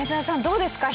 どうですか？